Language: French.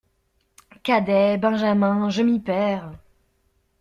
Cadet, benjamin, je m'y perds.